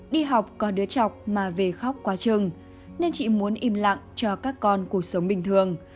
đi học có đứa chọc mà về khóc quá trừng nên chị muốn im lặng cho các con cuộc sống bình thường